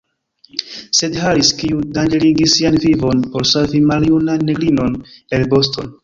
Sed Harris, kiu danĝerigis sian vivon por savi maljunan negrinon el Boston!